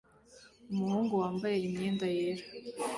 Umuhungu wambaye imyenda yera